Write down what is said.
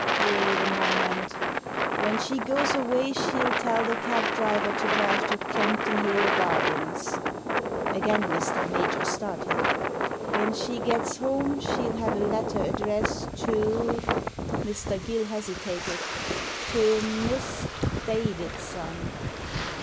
Wait a moment When she goes away she'll tell the cab driver to drive to Campden Hill Gardens. Again Mr. Major started "When she gets home she*ll have a letter addressed to "— Mr. Gill hesitated —" to Miss Davidson."